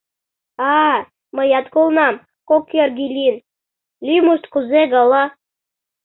— А-а, мыят колынам, кок эрге лийын, лӱмышт кузе гала?